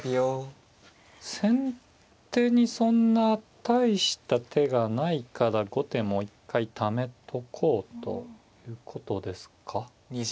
先手にそんな大した手がないから後手も一回ためとこうということですか。